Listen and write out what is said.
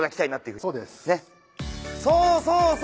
そうそうそうそう。